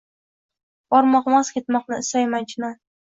Bormoqmas, ketmoqni istayman chunon